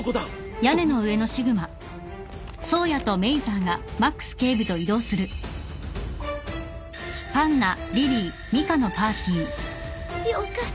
あ？よかった。